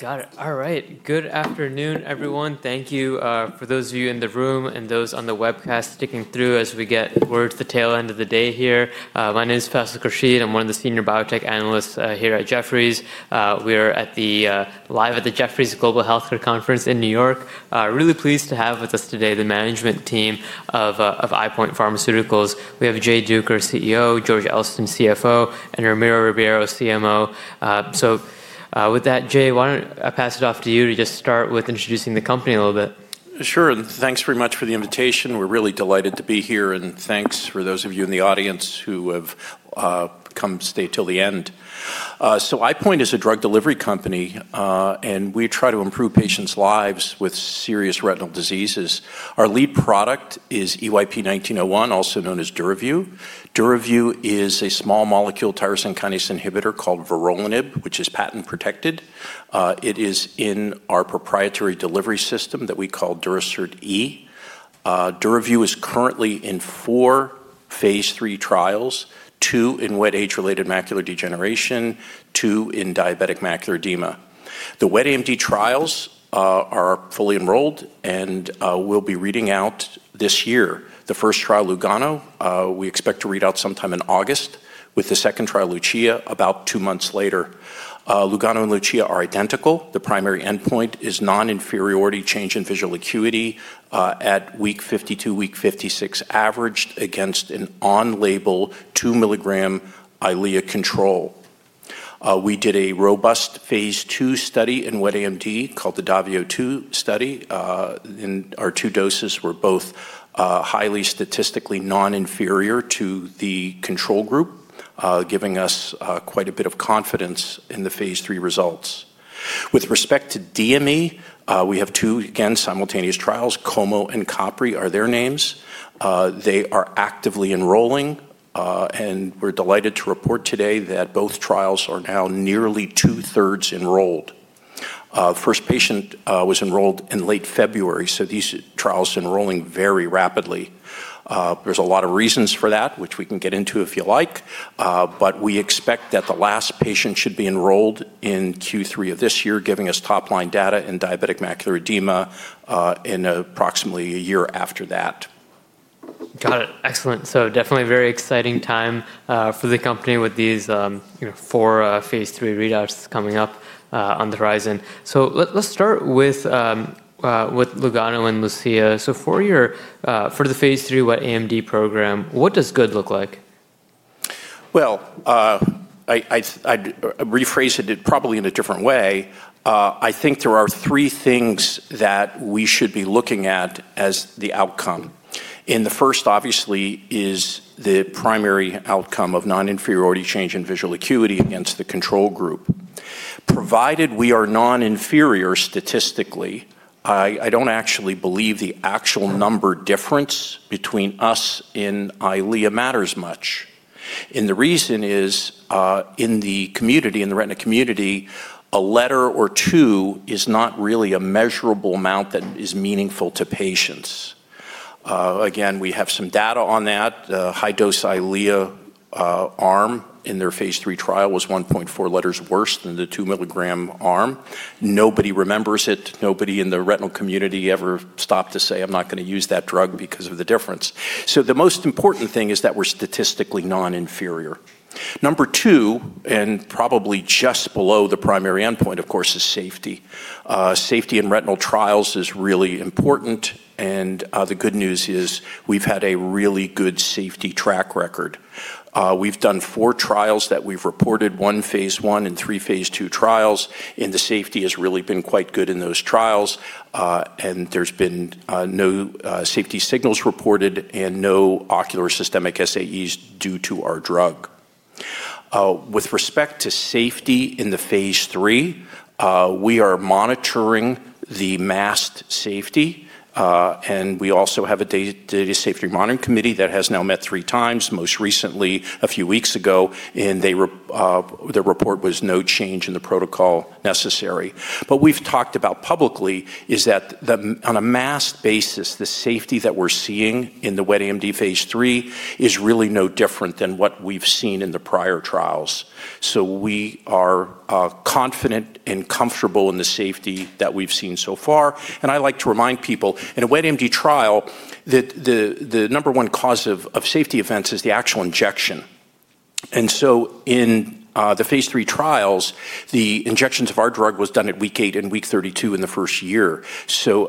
Got it. All right. Good afternoon, everyone. Thank you for those of you in the room and those on the webcast sticking through as we get towards the tail end of the day here. My name is Faisal Khurshid. I'm one of the senior biotech analysts here at Jefferies. We are live at the Jefferies Global Healthcare Conference in New York. Really pleased to have with us today the management team of EyePoint Pharmaceuticals. We have Jay Duker, CEO, George Elston, CFO, and Ramiro Ribeiro, CMO. With that, Jay, why don't I pass it off to you to just start with introducing the company a little bit? Sure. Thanks very much for the invitation. We're really delighted to be here. Thanks for those of you in the audience who have come to stay till the end. EyePoint is a drug delivery company, and we try to improve patients' lives with serious retinal diseases. Our lead product is EYP-1901, also known as DURAVYU. DURAVYU is a small molecule tyrosine kinase inhibitor called vorolanib, which is patent protected. It is in our proprietary delivery system that we call Durasert E. DURAVYU is currently in four phase III trials, two in wet age-related macular degeneration, two in diabetic macular edema. The wet AMD trials are fully enrolled and will be reading out this year. The first trial, LUGANO, we expect to read out sometime in August, with the second trial, LUCIA, about two months later. LUGANO and LUCIA are identical. The primary endpoint is non-inferiority change in visual acuity at week 52, week 56, averaged against an on-label two milligram Eylea control. We did a robust phase II study in wet AMD called the DAVIO 2 study. Our two doses were both highly statistically non-inferior to the control group, giving us quite a bit of confidence in the phase III results. With respect to DME, we have two, again, simultaneous trials. COMO and CAPRI are their names. They are actively enrolling. We're delighted to report today that both trials are now nearly 2/3 enrolled. First patient was enrolled in late February, so these trials are enrolling very rapidly. There's a lot of reasons for that, which we can get into if you like. We expect that the last patient should be enrolled in Q3 of this year, giving us top-line data in diabetic macular edema in approximately one year after that. Got it. Excellent. Definitely a very exciting time for the company with these four phase III readouts coming up on the horizon. Let's start with LUGANO and LUCIA. For the phase III wet AMD program, what does good look like? Well, I'd rephrase it probably in a different way. I think there are three things that we should be looking at as the outcome. The first, obviously, is the primary outcome of non-inferiority change in visual acuity against the control group. Provided we are non-inferior statistically, I don't actually believe the actual number difference between us and Eylea matters much. The reason is, in the retina community, a letter or two is not really a measurable amount that is meaningful to patients. Again, we have some data on that. The high-dose Eylea arm in their phase III trial was 1.4 letters worse than the 2 mg arm. Nobody remembers it. Nobody in the retinal community ever stopped to say, "I'm not going to use that drug because of the difference." The most important thing is that we're statistically non-inferior. Number two, and probably just below the primary endpoint, of course, is safety. Safety in retinal trials is really important, and the good news is we've had a really good safety track record. We've done four trials that we've reported, one phase I and three phase II trials, and the safety has really been quite good in those trials. There's been no safety signals reported and no ocular systemic SAEs due to our drug. With respect to safety in the phase III, we are monitoring the masked safety. We also have a data safety monitoring committee that has now met three times, most recently a few weeks ago, and their report was no change in the protocol necessary. What we've talked about publicly is that on a masked basis, the safety that we're seeing in the wet AMD phase III is really no different than what we've seen in the prior trials. We are confident and comfortable in the safety that we've seen so far. I like to remind people, in a wet AMD trial, that the number one cause of safety events is the actual injection. In the phase III trials, the injections of our drug was done at week eight and week 32 in the first year.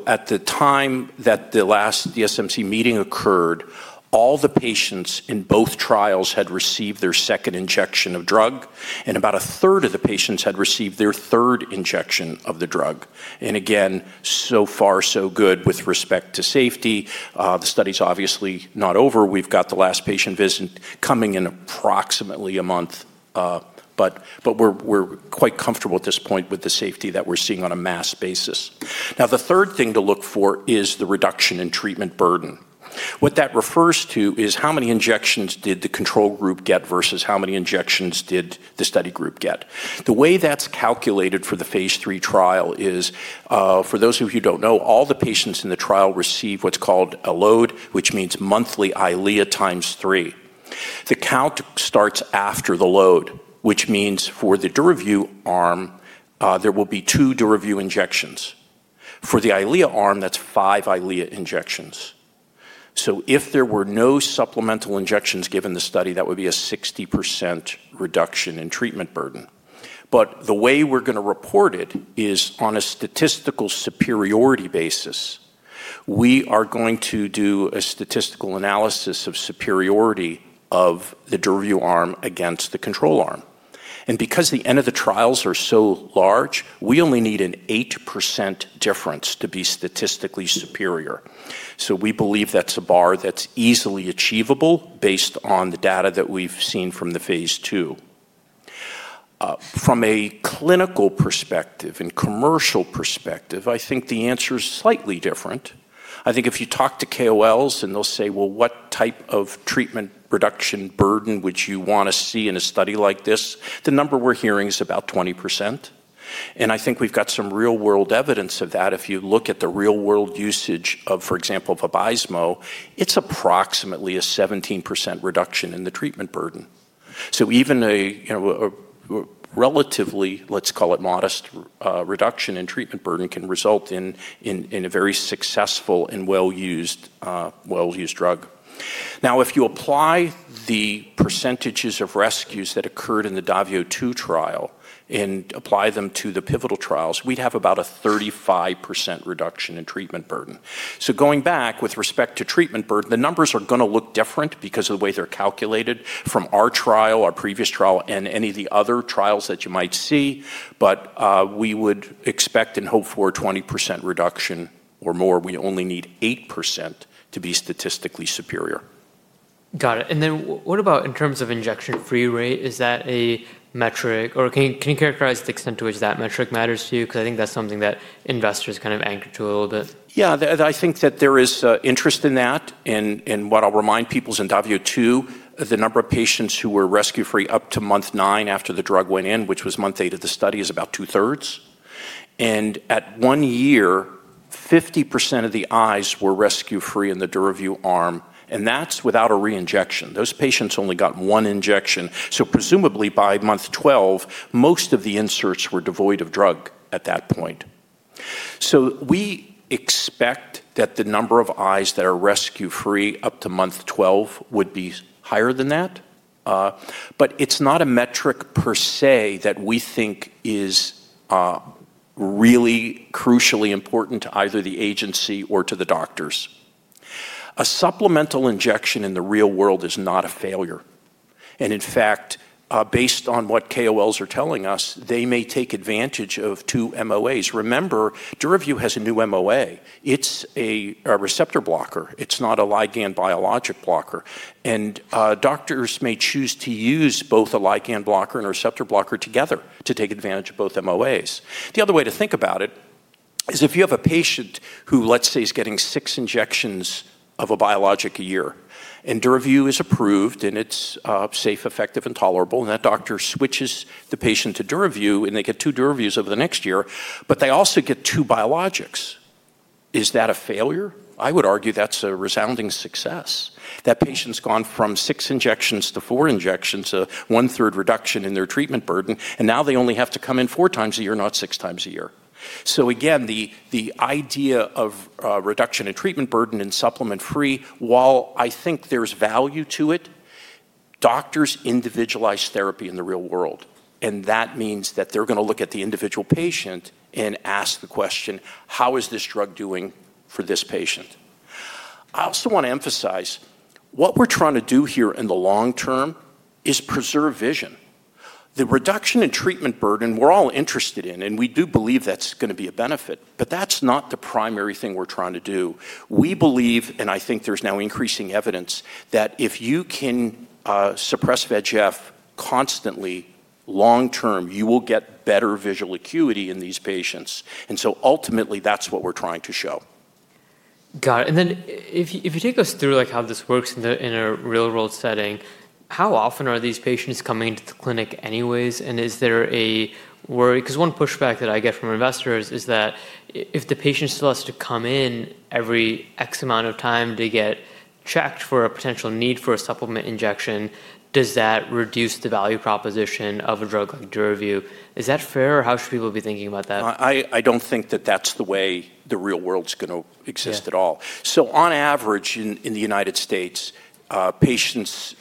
At the time that the last DSMC meeting occurred, all the patients in both trials had received their second injection of drug, and about a third of the patients had received their third injection of the drug. Again, so far so good with respect to safety. The study's obviously not over. We've got the last patient visit coming in approximately a month. We're quite comfortable at this point with the safety that we're seeing on a masked basis. Now, the third thing to look for is the reduction in treatment burden. What that refers to is how many injections did the control group get versus how many injections did the study group get. The way that's calculated for the phase III trial is, for those of you who don't know, all the patients in the trial receive what's called a load, which means monthly Eylea times three. The count starts after the load, which means for the DURAVYU arm, there will be two DURAVYU injections. For the Eylea arm, that's five Eylea injections. If there were no supplemental injections given the study, that would be a 60% reduction in treatment burden. The way we're going to report it is on a statistical superiority basis. We are going to do a statistical analysis of superiority of the DURAVYU arm against the control arm. Because the end of the trials are so large, we only need an 8% difference to be statistically superior. We believe that's a bar that's easily achievable based on the data that we've seen from the phase II. From a clinical perspective and commercial perspective, I think the answer is slightly different. I think if you talk to KOLs and they'll say, "Well, what type of treatment reduction burden would you want to see in a study like this?" The number we're hearing is about 20%. I think we've got some real-world evidence of that. If you look at the real-world usage of, for example, Vabysmo, it's approximately a 17% reduction in the treatment burden. Even a relatively, let's call it modest reduction in treatment burden can result in a very successful and well-used drug. If you apply the percentages of rescues that occurred in the DAVIO 2 trial and apply them to the pivotal trials, we'd have about a 35% reduction in treatment burden. Going back with respect to treatment burden, the numbers are going to look different because of the way they're calculated from our trial, our previous trial, and any of the other trials that you might see. We would expect and hope for a 20% reduction or more. We only need 8% to be statistically superior. Got it. What about in terms of injection-free rate? Is that a metric, or can you characterize the extent to which that metric matters to you? Because I think that's something that investors anchor to a little bit. Yeah, I think that there is interest in that, and what I'll remind people is in DAVIO 2, the number of patients who were rescue-free up to month nine after the drug went in, which was month eight of the study, is about two-thirds. At one year, 50% of the eyes were rescue-free in the DURAVYU arm, and that's without a re-injection. Those patients only got one injection. Presumably by month 12, most of the inserts were devoid of drug at that point. We expect that the number of eyes that are rescue-free up to month 12 would be higher than that. It's not a metric per se that we think is really crucially important to either the agency or to the doctors. A supplemental injection in the real world is not a failure. In fact, based on what KOLs are telling us, they may take advantage of two MOAs. Remember, DURAVYU has a new MOA. It's a receptor blocker. It's not a ligand biologic blocker. Doctors may choose to use both a ligand blocker and a receptor blocker together to take advantage of both MOAs. The other way to think about it is if you have a patient who, let's say, is getting six injections of a biologic a year, and DURAVYU is approved and it's safe, effective, and tolerable, and that doctor switches the patient to DURAVYU and they get two DURAVYUs over the next year, but they also get two biologics. Is that a failure? I would argue that's a resounding success. That patient's gone from six injections to four injections, a 1/3 reduction in their treatment burden, and now they only have to come in four times a year, not six times a year. Again, the idea of a reduction in treatment burden and supplement-free, while I think there's value to it, doctors individualize therapy in the real world, and that means that they're going to look at the individual patient and ask the question: How is this drug doing for this patient? I also want to emphasize what we're trying to do here in the long term is preserve vision. The reduction in treatment burden, we're all interested in, and we do believe that's going to be a benefit, but that's not the primary thing we're trying to do. We believe, and I think there's now increasing evidence, that if you can suppress VEGF constantly long term, you will get better visual acuity in these patients. Ultimately, that's what we're trying to show. Got it. If you take us through how this works in a real-world setting, how often are these patients coming into the clinic anyways? Is there a worry? Because one pushback that I get from investors is that if the patient still has to come in every X amount of time to get checked for a potential need for a supplement injection, does that reduce the value proposition of a drug like DURAVYU? Is that fair? How should people be thinking about that? I don't think that that's the way the real world's going to exist at all. Yeah. On average in the U.S., patients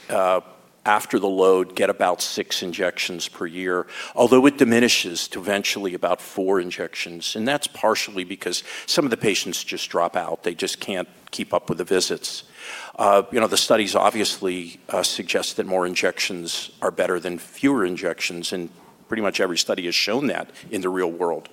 after the load get about six injections per year, although it diminishes to eventually about four injections, and that's partially because some of the patients just drop out. They just can't keep up with the visits. The studies obviously suggest that more injections are better than fewer injections, and pretty much every study has shown that in the real world.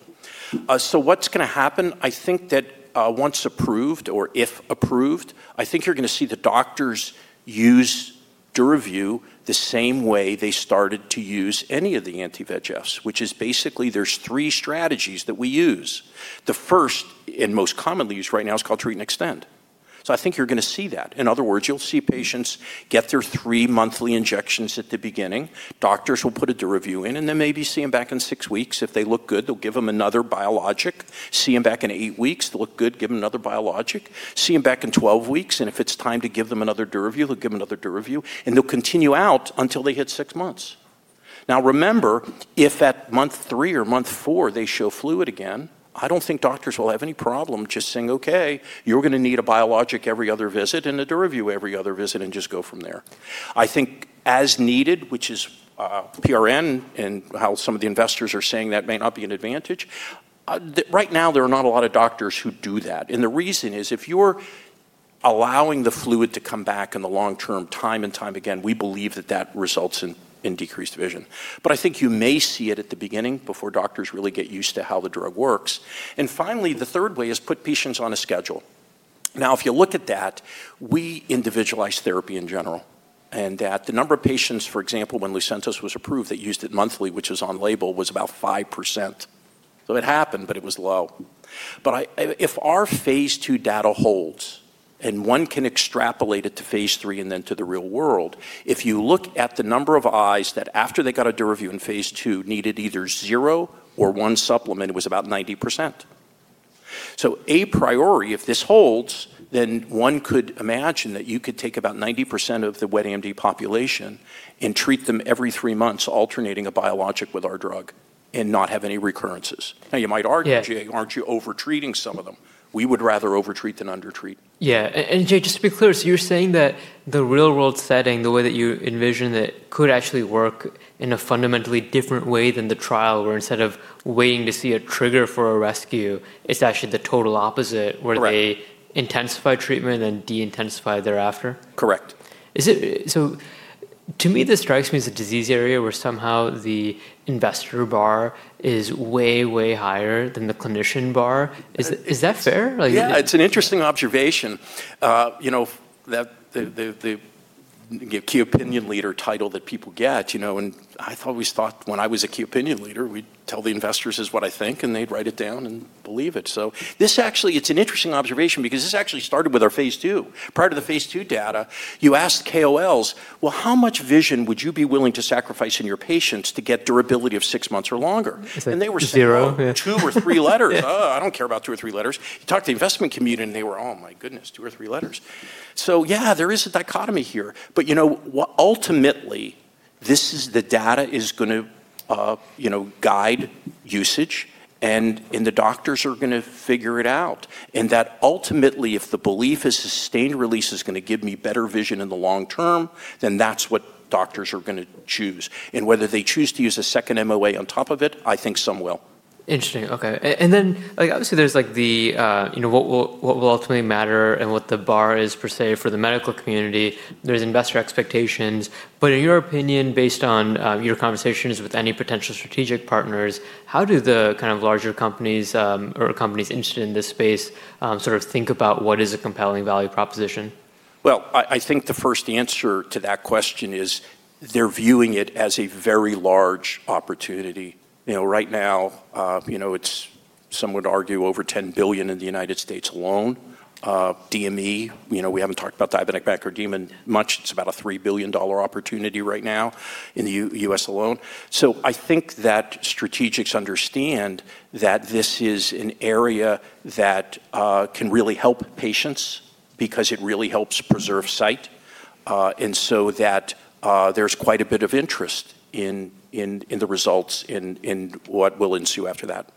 What's going to happen? I think that once approved or if approved, I think you're going to see the doctors use DURAVYU the same way they started to use any of the anti-VEGFs, which is basically there's three strategies that we use. The first and most commonly used right now is called treat and extend. I think you're going to see that. In other words, you'll see patients get their three monthly injections at the beginning. Doctors will put a DURAVYU in and then maybe see them back in six weeks. If they look good, they'll give them another biologic. See them back in eight weeks. They look good, give them another biologic. See them back in 12 weeks, and if it's time to give them another DURAVYU, they'll give them another DURAVYU, and they'll continue out until they hit six months. Now remember, if at month three or month four they show fluid again, I don't think doctors will have any problem just saying, "Okay, you're going to need a biologic every other visit and a DURAVYU every other visit," and just go from there. I think as needed, which is PRN, and how some of the investors are saying that may not be an advantage. Right now, there are not a lot of doctors who do that. The reason is if you're allowing the fluid to come back in the long term time and time again, we believe that that results in decreased vision. I think you may see it at the beginning before doctors really get used to how the drug works. Finally, the third way is put patients on a schedule. If you look at that, we individualize therapy in general, and that the number of patients, for example, when Lucentis was approved that used it monthly, which was on label, was about 5%. It happened, but it was low. If our phase II data holds, and one can extrapolate it to phase III and then to the real world, if you look at the number of eyes that after they got a DURAVYU in phase II needed either zero or one supplement, it was about 90%. A priori, if this holds, then one could imagine that you could take about 90% of the wet AMD population and treat them every three months alternating a biologic with our drug and not have any recurrences. You might argue, Jay, aren't you over-treating some of them? We would rather over-treat than under-treat. Yeah. Jay, just to be clear, you're saying that the real-world setting, the way that you envision it could actually work in a fundamentally different way than the trial, where instead of waiting to see a trigger for a rescue, it's actually the total opposite where they intensify treatment then de-intensify thereafter? Correct. To me, this strikes me as a disease area where somehow the investor bar is way higher than the clinician bar. Is that fair? Yeah, it's an interesting observation. The Key Opinion Leader title that people get, and I always thought when I was a Key Opinion Leader, we'd tell the investors is what I think, and they'd write it down and believe it. This actually, it's an interesting observation because this actually started with our phase II. Prior to the phase II data, you asked KOLs, "Well, how much vision would you be willing to sacrifice in your patients to get durability of six months or longer? It's like zero. They were saying, "Oh, two or three letters. Ugh, I don't care about two or three letters." You talk to the investment community, and they were, "Oh my goodness, two or three letters." Yeah, there is a dichotomy here. Ultimately, the data is going to guide usage, and the doctors are going to figure it out. That ultimately, if the belief is sustained release is going to give me better vision in the long term, then that's what doctors are going to choose. Whether they choose to use a second MOA on top of it, I think some will. Interesting. Okay. Obviously there's what will ultimately matter and what the bar is, per se, for the medical community. There's investor expectations. In your opinion, based on your conversations with any potential strategic partners, how do the larger companies or companies interested in this space think about what is a compelling value proposition? Well, I think the first answer to that question is they're viewing it as a very large opportunity. Right now, it's, some would argue, over $10 billion in the United States alone. DME, we haven't talked about diabetic macular edema much. It's about a $3 billion opportunity right now in the U.S. alone. I think that strategics understand that this is an area that can really help patients because it really helps preserve sight. That there's quite a bit of interest in the results in what will ensue after that.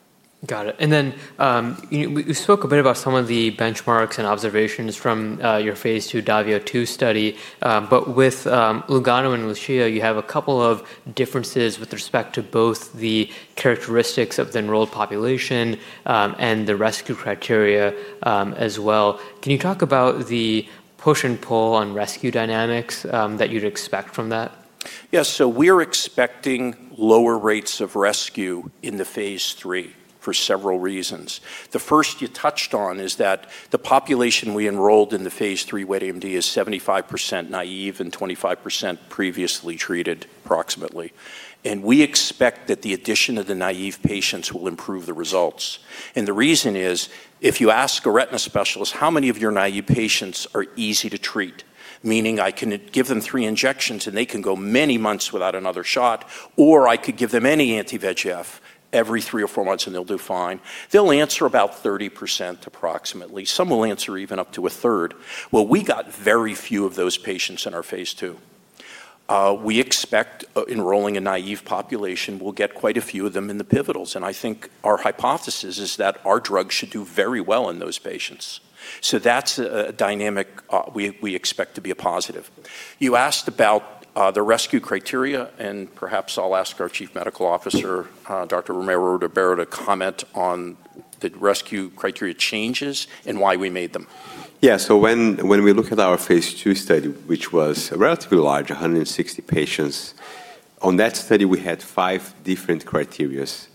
Got it. You spoke a bit about some of the benchmarks and observations from your phase II DAVIO 2 study. With LUGANO and LUCIA, you have a couple of differences with respect to both the characteristics of the enrolled population, and the rescue criteria as well. Can you talk about the push and pull on rescue dynamics that you'd expect from that? Yes. We're expecting lower rates of rescue into phase III for several reasons. The first you touched on is that the population we enrolled in the phase III wet AMD is 75% naïve and 25% previously treated, approximately. We expect that the addition of the naïve patients will improve the results. The reason is, if you ask a retina specialist how many of your naïve patients are easy to treat, meaning I can give them three injections and they can go many months without another shot, or I could give them any anti-VEGF every three or four months and they'll do fine. They'll answer about 30%, approximately. Some will answer even up to 1/3. Well, we got very few of those patients in our phase II. We expect enrolling a naïve population will get quite a few of them in the pivotals, and I think our hypothesis is that our drug should do very well in those patients. That's a dynamic we expect to be a positive. You asked about the rescue criteria, and perhaps I'll ask our Chief Medical Officer, Dr. Ramiro Ribeiro, to comment on the rescue criteria changes and why we made them. When we look at our phase II study, which was relatively large, 160 patients, on that study, we had five different criterias.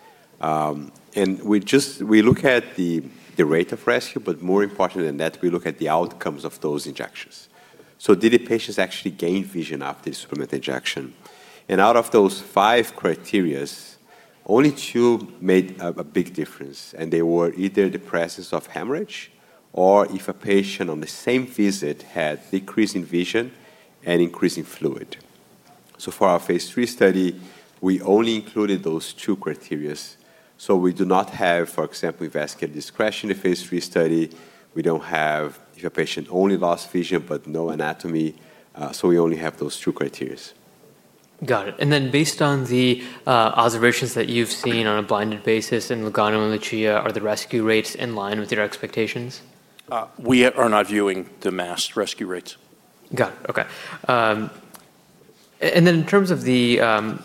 We look at the rate of rescue, but more important than that, we look at the outcomes of those injections. Did the patients actually gain vision after a supplement injection? Out of those five criterias, only two made a big difference, and they were either the presence of hemorrhage or if a patient on the same visit had decreasing vision and increasing fluid. For our phase III study, we only included those two criteria. We do not have, for example, vascular disruption in phase III study. We don't have if a patient only lost vision but no anatomy. We only have those two criteria. Got it. Based on the observations that you've seen on a blinded basis in LUGANO and LUCIA, are the rescue rates in line with your expectations? We are not viewing the masked rescue rates. Got it. Okay. In terms of the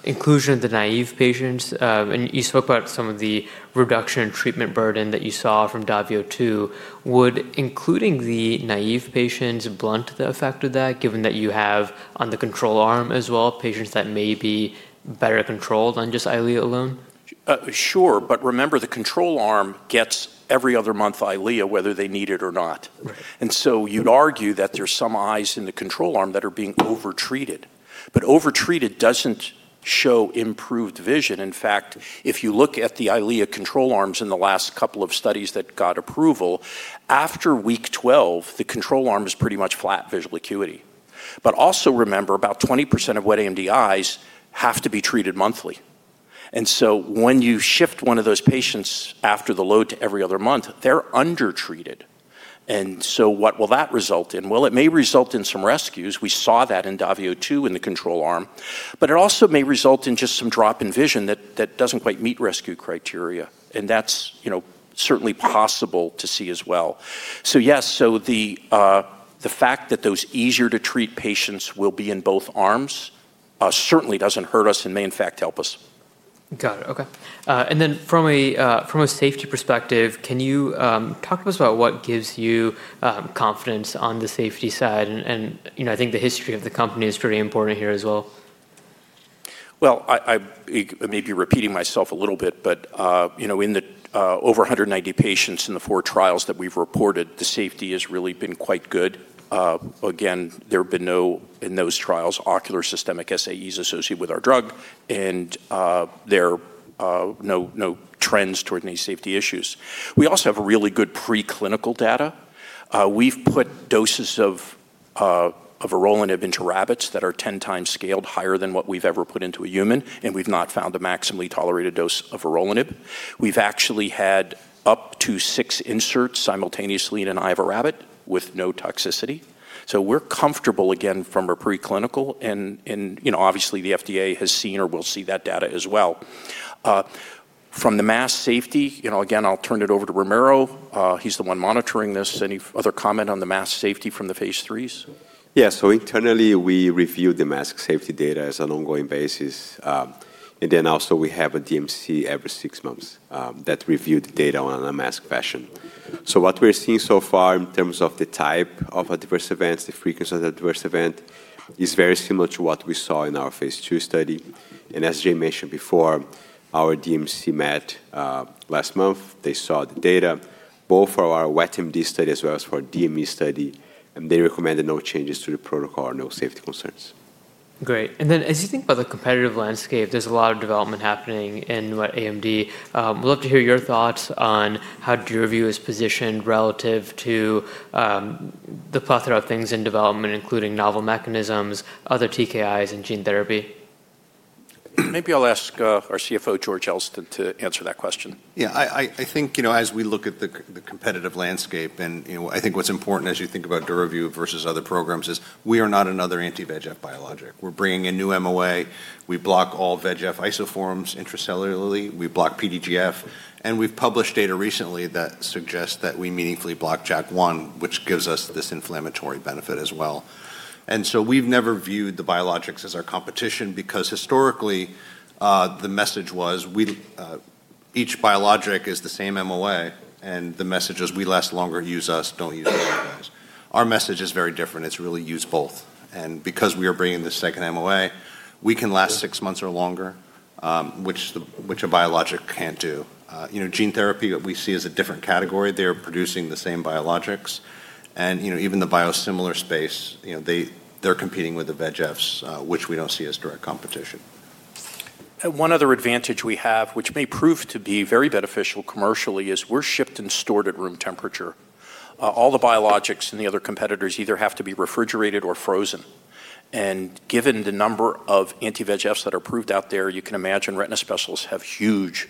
inclusion of the naive patients, and you spoke about some of the reduction in treatment burden that you saw from DAVIO 2, would including the naive patients blunt the effect of that, given that you have on the control arm as well, patients that may be better controlled on just Eylea alone? Sure. Remember, the control arm gets every other month Eylea, whether they need it or not. You'd argue that there's some eyes in the control arm that are being over-treated. Over-treated doesn't show improved vision. In fact, if you look at the Eylea control arms in the last couple of studies that got approval, after week 12, the control arm is pretty much flat visual acuity. Also remember, about 20% of wet AMD eyes have to be treated monthly. When you shift one of those patients after the load to every other month, they're under-treated. What will that result in? Well, it may result in some rescues. We saw that in DAVIO 2 in the control arm. It also may result in just some drop in vision that doesn't quite meet rescue criteria, and that's certainly possible to see as well. Yes, the fact that those easier-to-treat patients will be in both arms certainly doesn't hurt us and may in fact help us. Got it. Okay. From a safety perspective, can you talk to us about what gives you confidence on the safety side? I think the history of the company is pretty important here as well. I may be repeating myself a little bit, but in the 190 patients in the four trials that we've reported, the safety has really been quite good. Again, there have been no, in those trials, ocular systemic SAEs associated with our drug, and there are no trends toward any safety issues. We also have really good pre-clinical data. We've put doses of vorolanib into rabbits that are 10x scaled higher than what we've ever put into a human, and we've not found the maximally tolerated dose of vorolanib. We've actually had up to six inserts simultaneously in an eye of a rabbit with no toxicity. We're comfortable again from a pre-clinical, and obviously the FDA has seen or will see that data as well. From the masked safety, again, I'll turn it over to Ramiro. He's the one monitoring this. Any other comment on the masked safety from the phase IIIs? Yeah. Internally, we review the masked safety data as an ongoing basis. We also have a DMC every six months that review the data on a masked fashion. What we're seeing so far in terms of the type of adverse events, the frequency of the adverse event, is very similar to what we saw in our phase II study. As Jay mentioned before, our DMC met last month. They saw the data both for our wet AMD study as well as for our DME study, and they recommended no changes to the protocol or no safety concerns. Great. As you think about the competitive landscape, there's a lot of development happening in wet AMD. Would love to hear your thoughts on how DURAVYU is positioned relative to the plethora of things in development, including novel mechanisms, other TKIs, and gene therapy. Maybe I'll ask our CFO, George Elston, to answer that question. Yeah. I think as we look at the competitive landscape, and I think what's important as you think about DURAVYU versus other programs is we are not another anti-VEGF biologic. We're bringing a new MOA. We block all VEGF isoforms intracellularly. We block PDGF. We've published data recently that suggests that we meaningfully block JAK1, which gives us this inflammatory benefit as well. We've never viewed the biologics as our competition because historically, the message was each biologic is the same MOA, and the message was, "We last longer. Use us. Don't use the other guys." Our message is very different. It's really use both. Because we are bringing this second MOA, we can last six months or longer, which a biologic can't do. Gene therapy we see as a different category. They're producing the same biologics. Even the biosimilar space, they're competing with the anti-VEGFs, which we don't see as direct competition. One other advantage we have, which may prove to be very beneficial commercially, is we're shipped and stored at room temperature. All the biologics and the other competitors either have to be refrigerated or frozen. Given the number of anti-VEGFs that are approved out there, you can imagine retina specialists have huge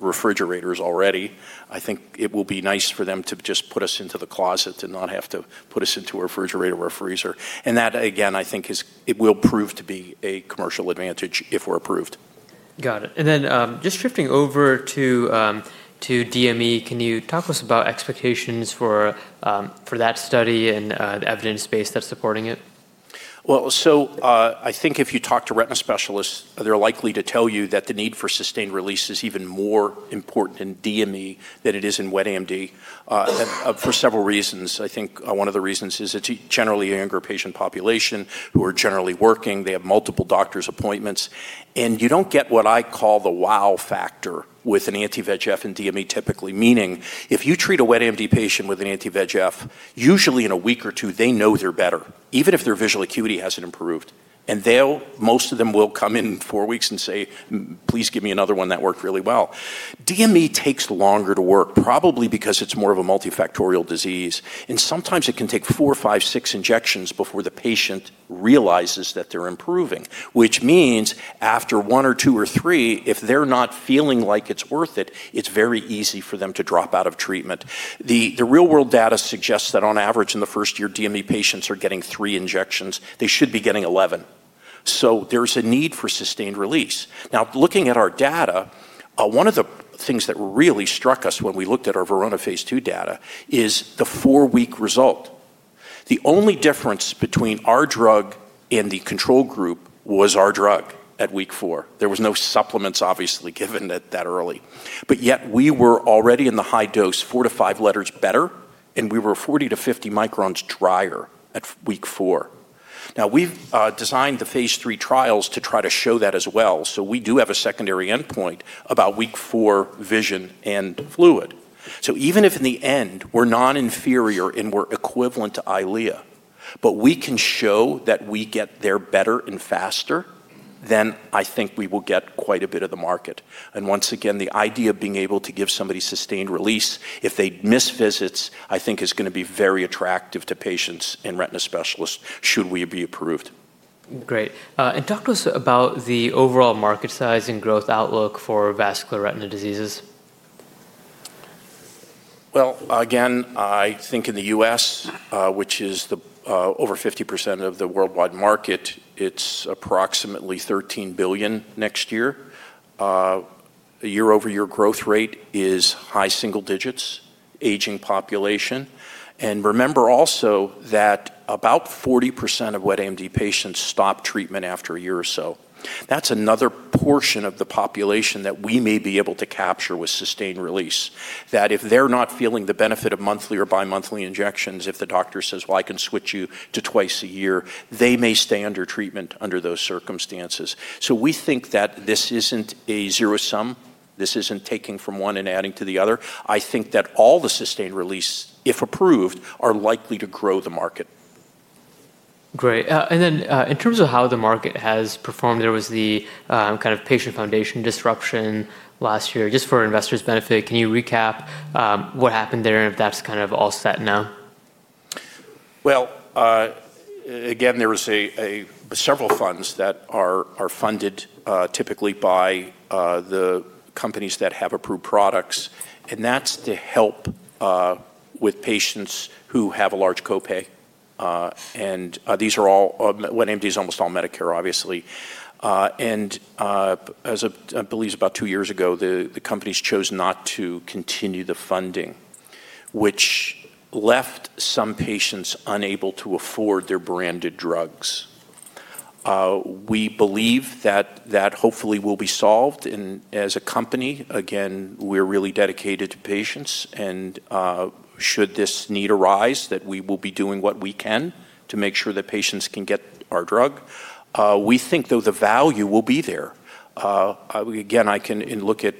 refrigerators already. I think it will be nice for them to just put us into the closet and not have to put us into a refrigerator or a freezer. That, again, I think it will prove to be a commercial advantage if we're approved. Got it. Then just shifting over to DME, can you talk to us about expectations for that study and the evidence base that's supporting it? Well, I think if you talk to retina specialists, they're likely to tell you that the need for sustained release is even more important in DME than it is in wet AMD for several reasons. I think one of the reasons is it's generally a younger patient population who are generally working. They have multiple doctor's appointments. You don't get what I call the wow factor with an anti-VEGF in DME typically, meaning if you treat a wet AMD patient with an anti-VEGF, usually in a week or two, they know they're better, even if their visual acuity hasn't improved. Most of them will come in four weeks and say, "Please give me another one. That worked really well. DME takes longer to work, probably because it's more of a multifactorial disease, and sometimes it can take four, five, six injections before the patient realizes that they're improving, which means after one or two or three, if they're not feeling like it's worth it's very easy for them to drop out of treatment. The real-world data suggests that on average in the first year, DME patients are getting three injections. They should be getting 11. There's a need for sustained release. Looking at our data, one of the things that really struck us when we looked at our VERONA phase II data is the four-week result. The only difference between our drug and the control group was our drug at week four. There were no supplements obviously given that early. Yet we were already in the high dose, four to five letters better, and we were 40 to 50 microns drier at week four. We've designed the phase III trials to try to show that as well. We do have a secondary endpoint about week four vision and fluid. Even if in the end we're non-inferior and we're equivalent to Eylea, we can show that we get there better and faster, I think we will get quite a bit of the market. Once again, the idea of being able to give somebody sustained release if they miss visits, I think is going to be very attractive to patients and retina specialists should we be approved. Great. Talk to us about the overall market size and growth outlook for vascular retinal diseases. Again, I think in the U.S., which is over 50% of the worldwide market, it's approximately $13 billion next year. Year-over-year growth rate is high single digits, aging population. Remember also that about 40% of wet AMD patients stop treatment after a year or so. That's another portion of the population that we may be able to capture with sustained release. That if they're not feeling the benefit of monthly or bimonthly injections, if the doctor says, "Well, I can switch you to twice a year," they may stay under treatment under those circumstances. We think that this isn't a zero sum. This isn't taking from one and adding to the other. I think that all the sustained release, if approved, are likely to grow the market. Great. In terms of how the market has performed, there was the patient foundation disruption last year. Just for our investors' benefit, can you recap what happened there and if that's all set now? Well, again, there were several funds that are funded typically by the companies that have approved products. That's to help with patients who have a large copay. Wet AMD is almost all Medicare, obviously. I believe about two years ago, the companies chose not to continue the funding, which left some patients unable to afford their branded drugs. We believe that hopefully will be solved. As a company, again, we're really dedicated to patients, and should this need arise, that we will be doing what we can to make sure that patients can get our drug. We think, though, the value will be there. Again, I can look at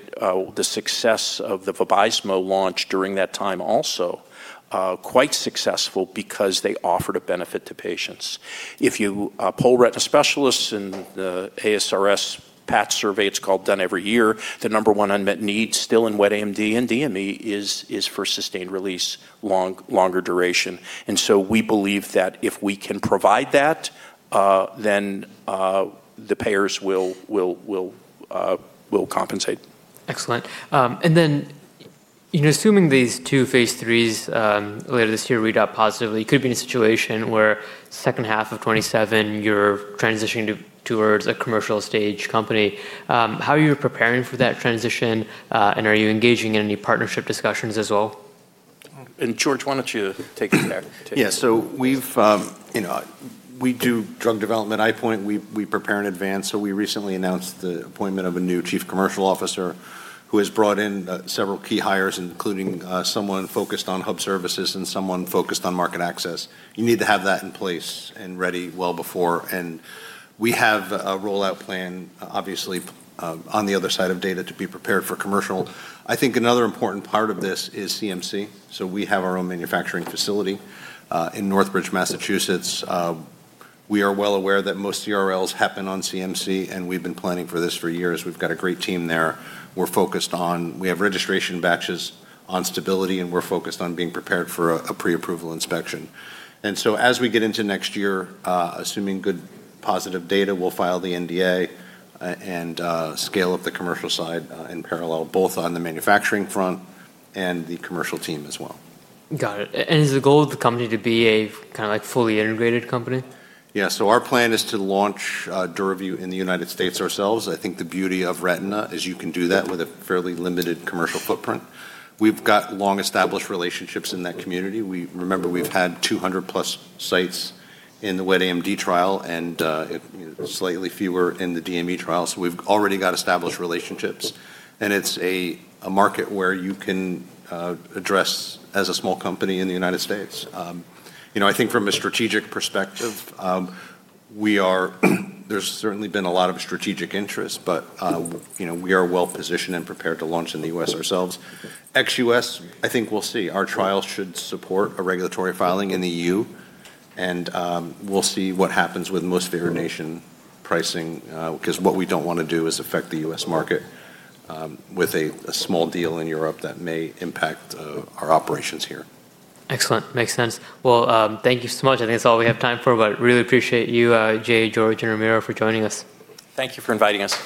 the success of the Vabysmo launch during that time also. Quite successful because they offered a benefit to patients. If you poll retina specialists in the ASRS PAT Survey it's called, done every year, the number one unmet need still in wet AMD and DME is for sustained release, longer duration. We believe that if we can provide that, then the payers will compensate. Excellent. Assuming these two phase III's later this year read out positively, could be in a situation where second half of 2027, you're transitioning towards a commercial stage company. How are you preparing for that transition? Are you engaging in any partnership discussions as well? George, why don't you take it there too? We do drug development at EyePoint. We prepare in advance. We recently announced the appointment of a new chief commercial officer who has brought in several key hires, including someone focused on hub services and someone focused on market access. You need to have that in place and ready well before. We have a rollout plan, obviously, on the other side of data to be prepared for commercial. I think another important part of this is CMC. We have our own manufacturing facility in Northbridge, Massachusetts. We are well aware that most CRLs happen on CMC, and we've been planning for this for years. We've got a great team there. We have registration batches on stability, and we're focused on being prepared for a pre-approval inspection. As we get into next year, assuming good positive data, we'll file the NDA and scale up the commercial side in parallel, both on the manufacturing front and the commercial team as well. Got it. Is the goal of the company to be a fully integrated company? Yeah. Our plan is to launch DURAVYU in the United States ourselves. I think the beauty of retina is you can do that with a fairly limited commercial footprint. We've got long-established relationships in that community. Remember, we've had 200-plus sites in the wet AMD trial and slightly fewer in the DME trial. We've already got established relationships. It's a market where you can address as a small company in the United States. I think from a strategic perspective, there's certainly been a lot of strategic interest, but we are well-positioned and prepared to launch in the U.S. ourselves. Ex-U.S., I think we'll see. Our trial should support a regulatory filing in the EU, and we'll see what happens with most favored nation pricing, because what we don't want to do is affect the U.S. market with a small deal in Europe that may impact our operations here. Excellent. Makes sense. Well, thank you so much. I think that's all we have time for, but really appreciate you, Jay, George, and Ramiro, for joining us. Thank you for inviting us.